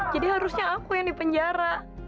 jadi harusnya aku yang dipenjara